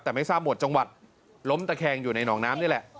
แต่ไม่ทราบหมวดจังหวัดล้มตะแคงอยู่ในหนองน้ำนี่แหละ